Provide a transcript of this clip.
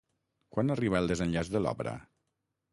Quan arriba el desenllaç de l'obra?